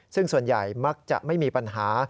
ซึ่งส่วนใหญ่มักจะไม่มีปัญหา